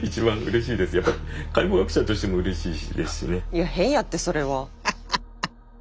いや変やってそれは。ハハハ！